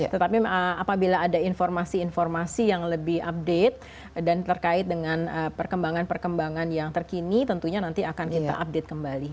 tetapi apabila ada informasi informasi yang lebih update dan terkait dengan perkembangan perkembangan yang terkini tentunya nanti akan kita update kembali